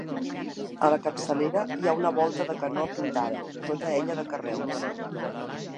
A la capçalera hi ha una volta de canó apuntada, tota ella de carreus.